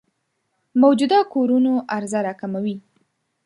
موجوده کورونو عرضه راکموي.